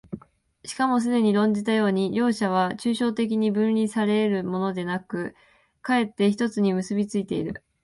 しかもすでに論じたように、両者は抽象的に分離され得るものでなく、却って一つに結び付いている。